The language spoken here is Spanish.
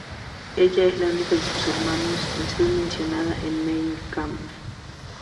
Ella es la única de sus hermanos en ser mencionada en Mein Kampf.